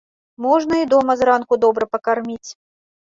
Можна і дома зранку добра пакарміць.